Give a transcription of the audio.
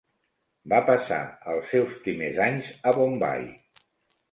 Va passar els seus primers anys a Bombai.